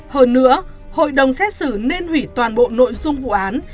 hơn nữa hội đồng xét xử nên hủy toàn bộ nội dung vụ án